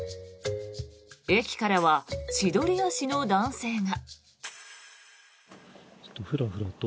駅からは千鳥足の男性が。